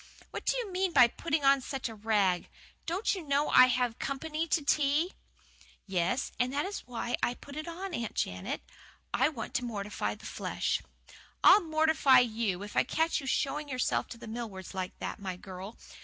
"What do you mean by putting on such a rig! Don't you know I have company to tea?" "Yes, and that is just why I put it on, Aunt Janet. I want to mortify the flesh " "I'll 'mortify' you, if I catch you showing yourself to the Millwards like that, my girl!